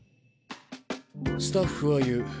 スタッフは言う。